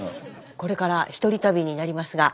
これから一人旅になりますが。